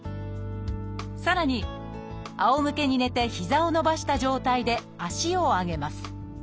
さらにあおむけに寝て膝を伸ばした状態で足を上げます。